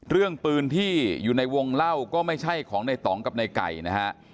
เรื่องปืนที่อยู่ในวงเล่าก็ไม่ใช่ของในต่องกับในไก่นะฮะ